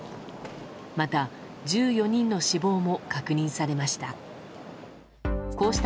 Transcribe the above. また１４人の死亡も確認されました。